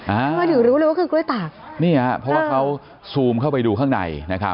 มาถึงรู้เลยว่าคือกล้วยตากนี่ฮะเพราะว่าเขาซูมเข้าไปดูข้างในนะครับ